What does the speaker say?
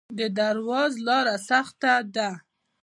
د درواز لاره سخته ده